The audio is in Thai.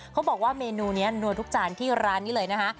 เขาบอกว่าเมนูนี้นัวทุกจานที่ร้านนี้เลยนะคะ